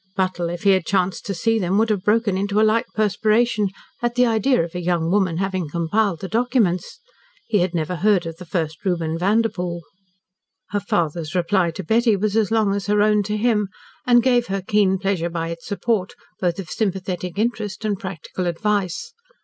Buttle, if he had chanced to see them, would have broken into a light perspiration at the idea of a young woman having compiled the documents. He had never heard of the first Reuben Vanderpoel. Her father's reply to Betty was as long as her own to him, and gave her keen pleasure by its support, both of sympathetic interest and practical advice.